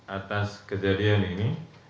atas kejadian ini